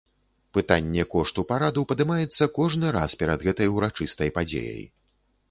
Пытанне кошту параду падымаецца кожны раз перад гэтай урачыстай падзеяй.